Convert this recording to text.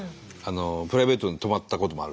プライベートで泊まったこともあるしね。